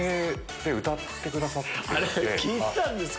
あれ聞いてたんですか